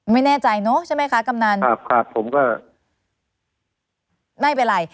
ไม่แน่ใจเนอะใช่ไหมคะกำนันครับครับผมก็ไม่เป็นไร